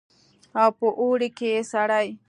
او په اوړي کښې سړې.